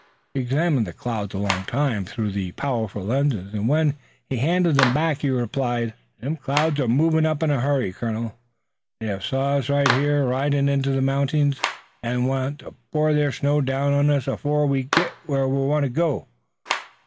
He examined the clouds a long time through the powerful lenses, and when he handed them back he replied: "Them clouds are movin' up in a hurry, colonel. They hev saw us here ridin' into the mountings, an' they want to pour their snow down on us afore we git whar we want to go."